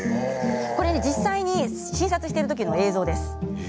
実際に診察しているときの映像です。